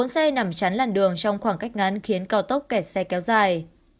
bốn xe nằm chắn làn đường trong khoảng cách ngắn khiến cao tốc kẹt xe kéo dài